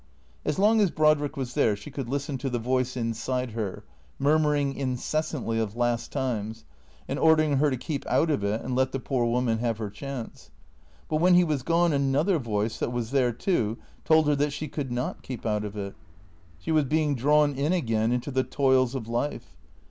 As long as Brodrick was there she could listen to the voice inside her, murmuring incessantly of last times, and ordering her to keep out of it and let the poor woman have her chance. But when he was gone another voice, that was there too, told her that she could not keep out of it. She was being drawn in again, into the toils of life.